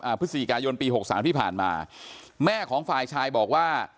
พฤศจิกายนปีหกสามที่ผ่านมาแม่ของฝ่ายชายบอกว่า